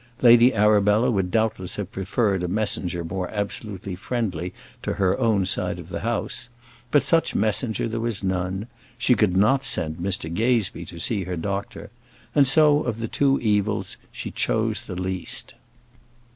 Lady Arabella would doubtless have preferred a messenger more absolutely friendly to her own side of the house; but such messenger there was none: she could not send Mr Gazebee to see her doctor, and so, of the two evils, she chose the least.